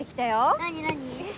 何何？